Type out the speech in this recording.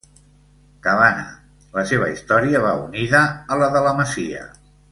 Cabana: la seva història va unida a la de la masia.